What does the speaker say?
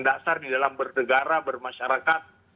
dasar di dalam bernegara bermasyarakat